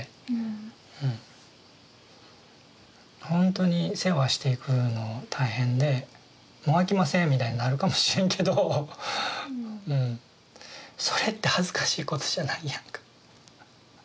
ほんとに世話していくの大変でもうあきませんみたいになるかもしれんけどそれって恥ずかしいことじゃないやんか。